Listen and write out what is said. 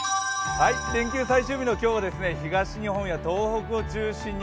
連休最終日の今日は、東日本や東北を中心に